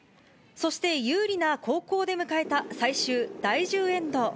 そして有利な後攻で迎えた最終第１０エンド。